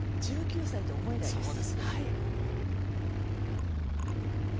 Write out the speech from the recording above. １９歳とは思えないです。